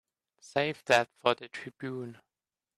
Save that for the Tribune.